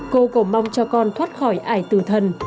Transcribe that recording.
cô cầu mong cho con thoát khỏi ải tử thần